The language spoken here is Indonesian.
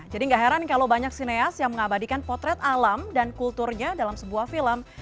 jadi gak heran kalau banyak sineas yang mengabadikan potret alam dan kulturnya dalam sebuah film